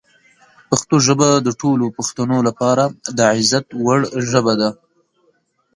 پښتو ژبه د ټولو پښتنو لپاره د عزت وړ ژبه ده.